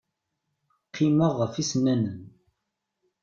Qqimeɣ ɣef yisennanen.